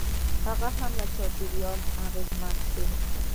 هغه هم له چاپېریال اغېزمن شوی.